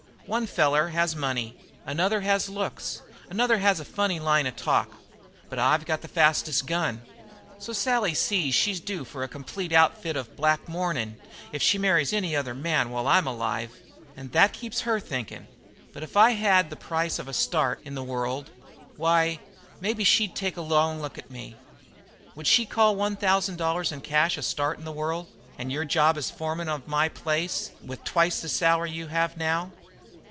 One feller has money; another has looks; another has a funny line of talk. But I've got the fastest gun. So Sally sees she's due for a complete outfit of black mournin' if she marries another man while I'm alive; an' that keeps her thinkin'. But if I had the price of a start in the world why, maybe she'd take a long look at me." "Would she call one thousand dollars in cash a start in the world and your job as foreman of my place, with twice the salary you have now?"